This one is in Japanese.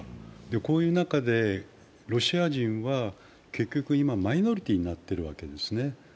こういう中でロシア人は結局今、マイノリティーになっているわけですね。